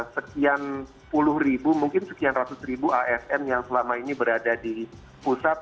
sekian puluh ribu mungkin sekian ratus ribu asn yang selama ini berada di pusat